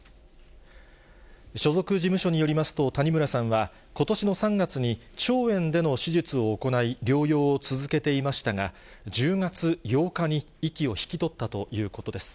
所属事務所によりますと、谷村さんは、ことしの３月に、腸炎での手術を行い、療養を続けていましたが、１０月８日に息を引き取ったということ。